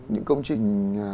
những công trình